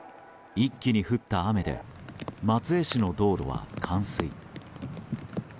一気に降った雨で松江市の道路は冠水。